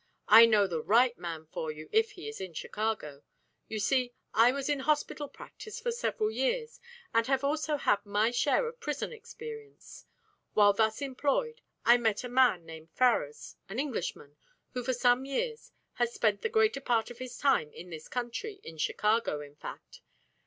I know the right man for you if he is in Chicago. You see, I was in hospital practice for several years, and have also had my share of prison experience. While thus employed I met a man named Ferrars, an Englishman, who for some years has spent the greater part of his time in this country, in Chicago, in fact.